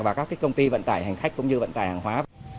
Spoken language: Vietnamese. và các công ty vận tải hành khách cũng như vận tải hàng hóa